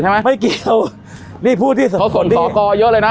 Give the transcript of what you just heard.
ใช่ไหมไม่เกี่ยวนี่พูดที่เขาส่งสอกอยเยอะเลยน่ะ